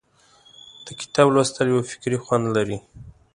د کتاب لوستل یو فکري خوند لري.